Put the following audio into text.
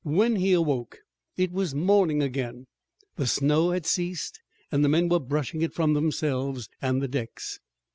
When he awoke it was morning again, the snow had ceased and the men were brushing it from themselves and the decks.